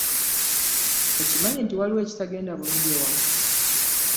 Okimanyi nti waliwo ekitagenda bulungi e waka.